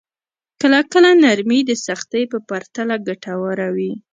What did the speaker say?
کله کله نرمي د سختۍ په پرتله ګټوره وي.